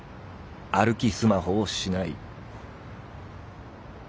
歩きスマホをしない」。